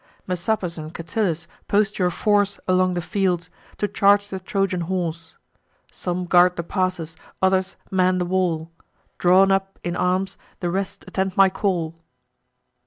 Messapus and Catillus, post your force Along the fields, to charge the Trojan horse. Some guard the passes, others man the wall; Drawn up in arms, the rest attend my call."